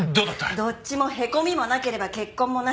どっちもへこみもなければ血痕もなし。